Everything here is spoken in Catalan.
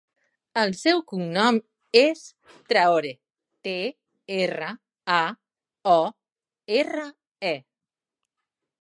El seu cognom és Traore: te, erra, a, o, erra, e.